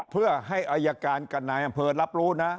เพื่อให้อายการกับนายอำเภอรับรู้นะ